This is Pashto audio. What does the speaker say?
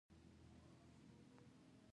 زه د خپل ژوند هره لحظه د شکر په احساس تېرووم.